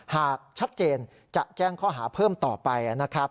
หากชัดเจนจะแจ้งข้อหาเพิ่มต่อไปนะครับ